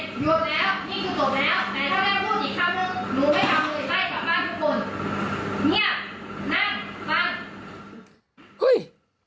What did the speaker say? โอ้โห